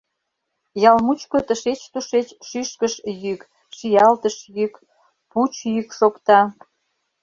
Ял мучко тышеч-тушеч шӱшкыш йӱк, шиялтыш йӱк, пуч йӱк шокта.